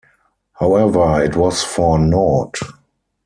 However, it was for naught.